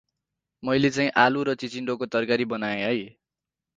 मैले चाँहि आलु र चिचिन्डो को तरकारी बनाएँ है।